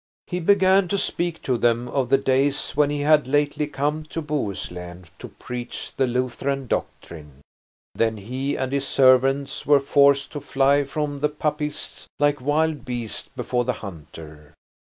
He began to speak to them of the days when he had lately come to Bohuslen to preach the Lutheran doctrine. Then he and his servants were forced to fly from the Papists like wild beasts before the hunter.